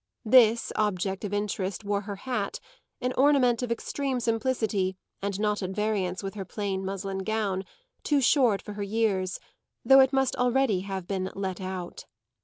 This object of interest wore her hat an ornament of extreme simplicity and not at variance with her plain muslin gown, too short for her years, though it must already have been "let out."